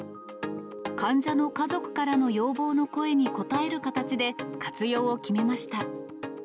患者の家族からの要望の声に応える形で活用を決めました。